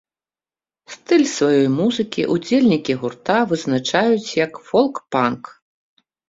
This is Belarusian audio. Стыль сваёй музыкі ўдзельнікі гурта вызначаюць як фолк-панк.